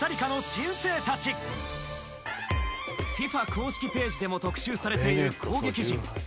ＦＩＦＡ公式ページでも特集されている攻撃陣。